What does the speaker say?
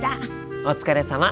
お疲れさま。